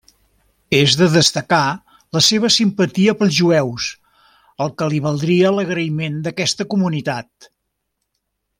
És de destacar la seva simpatia pels jueus, el que li valdria l'agraïment d'aquesta comunitat.